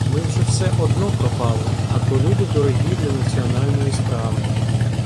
Ми вже все одно пропали, а то люди дорогі для національної справи.